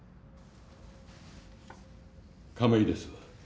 亀井です。